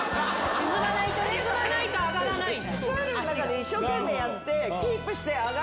沈まないと上がらない、足が。